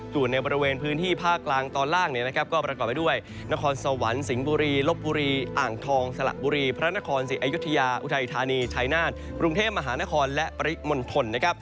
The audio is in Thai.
ส่วนในบริเวณพื้นที่ภาคกลางตอนล่างเนี่ยนะครับก็ประกอบไปด้วยนครสวรรค์สิงห์บุรีลบบุรีอ่างทองสละบุรีพระนครศรีอยุธยาอุทัยธานีชายนาฏกรุงเทพมหานครและปริมณฑลนะครับ